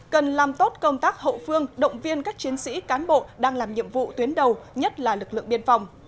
cần làm tốt công tác hậu phương động viên các chiến sĩ cán bộ đang làm nhiệm vụ tuyến đầu nhất là lực lượng biên phòng